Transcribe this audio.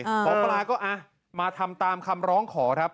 หมอปลาก็มาทำตามคำร้องขอครับ